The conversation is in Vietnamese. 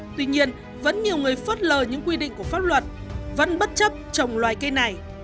tuy nhiên vẫn nhiều người phớt lờ những quy định của pháp luật vẫn bất chấp trồng loài cây này